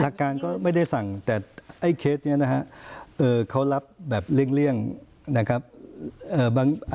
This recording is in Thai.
หลักการก็ไม่ได้สั่งแต่ไอ้เคสเนี้ยนะฮะเอ่อเขารับแบบเลี่ยงนะครับ